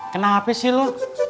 kenapa sih lu